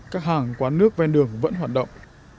các hàng quán nước ven đường vẫn hoạt động